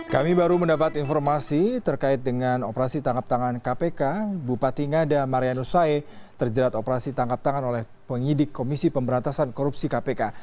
kami baru mendapat informasi terkait dengan operasi tangkap tangan kpk bupati ngada marianus sae terjerat operasi tangkap tangan oleh penyidik komisi pemberantasan korupsi kpk